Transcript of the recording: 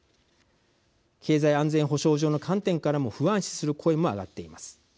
経済安全保障上の観点からも不安視する声も上がっています。